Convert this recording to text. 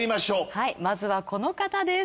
はいまずはこの方です。